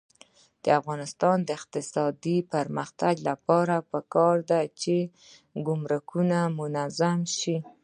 د افغانستان د اقتصادي پرمختګ لپاره پکار ده چې ګمرکونه منظم شي.